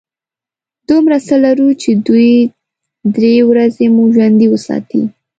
دومره څه لرو چې دوې – درې ورځې مو ژوندي وساتي.